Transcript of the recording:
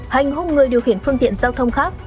hành hung người điều khiển phương tiện giao thông khác